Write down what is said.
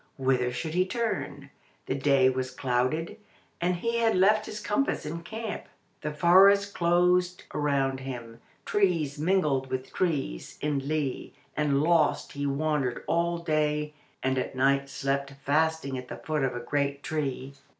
Whither should he turn? The day was clouded, and he had left his compass in camp. The forest closed around him, trees mingled with trees in limitless confusion. Bewildered and lost he wandered all day, and at night slept fasting at the foot of a great tree.